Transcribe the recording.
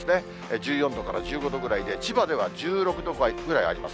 １４度から１５度くらいで、千葉では１６度ぐらいあります。